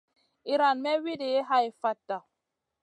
Iran may wuidi hai fatta.